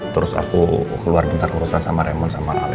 terus aku keluar bentar urusan sama raymond sama al ya